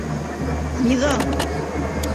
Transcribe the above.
Миҙал!